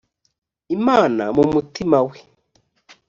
imana mu mutima we